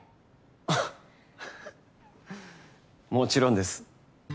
ははっもちろんです。